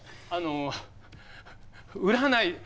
あの売らない。